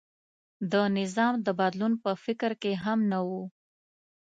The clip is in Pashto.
د نظام د بدلون په فکر کې هم نه و.